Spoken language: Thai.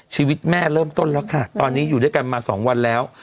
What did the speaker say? ชีวิตแม่เริ่มต้นแล้วค่ะตอนนี้อยู่ด้วยกันมา๒วันแล้ว